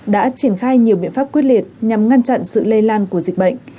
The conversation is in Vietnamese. đã triển khai nhiều biện pháp quyết liệt nhằm ngăn chặn sự lây lan của dịch bệnh